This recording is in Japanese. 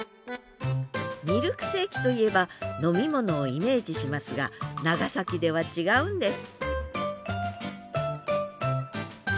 ミルクセーキといえば飲み物をイメージしますが長崎では違うんです